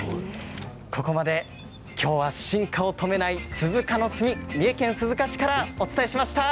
ここまできょうは進化を止めない鈴鹿の墨三重県鈴鹿市からお伝えしました。